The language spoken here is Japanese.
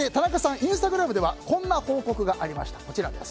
インスタグラムではこんな報告がありました。